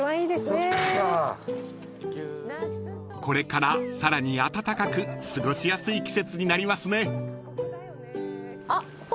［これからさらに暖かく過ごしやすい季節になりますね］